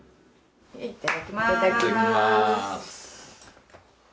いただきます。